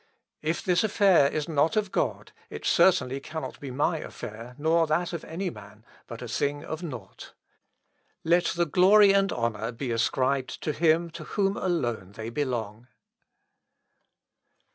If this affair is not of God, it certainly cannot be my affair, nor that of any man, but a thing of nought. Let the glory and honour be ascribed to Him to whom alone they belong."